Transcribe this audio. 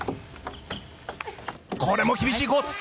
これも厳しいコース。